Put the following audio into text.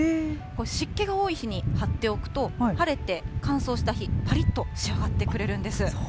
湿気が多い日に張っておくと、晴れて乾燥した日、ぱりっと仕上がってくれるんです。